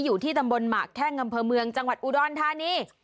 อยู่ที่ตำบลหมากแข้งอำเภอเมืองจังหวัดอุดรธานี